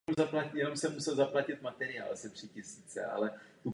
K poklesu těžby došlo po odchodu protestantských německých horníků po bitvě na Bílé hoře.